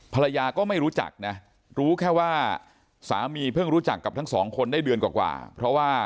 ภรรยาก็ไม่รู้จักนะรู้แค่ว่าสามีเพิ่งรู้จักกับทั้งสองคนได้เดือนกว่าเพราะว่า